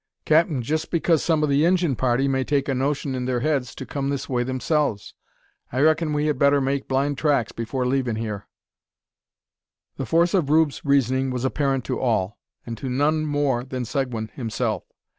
"Cap'n, jest because some o' the Injun party may take a notion in thur heads to kum this way themselves. I reckin we had better make blind tracks before leavin' hyur." The force of Rube's reasoning was apparent to all, and to none more than Seguin himself.